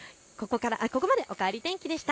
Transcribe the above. ここまでおかえり天気でした。